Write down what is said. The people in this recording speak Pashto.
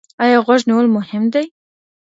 ايا غوږ نيول مهم دي؟